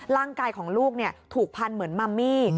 ร่างกายของลูกถูกพันเหมือนมัมมี่